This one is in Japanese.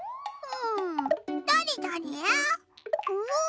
うん。